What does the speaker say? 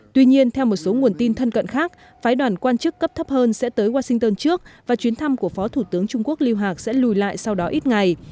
tuy nhiên theo một số nguồn tin thân cận khác phái đoàn quan chức cấp thấp hơn sẽ tới washington trước và chuyến thăm của phó thủ tướng trung quốc lưu hạc sẽ lùi lại sau đó ít ngày